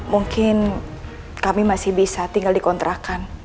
mungkin kami masih bisa tinggal dikontrakan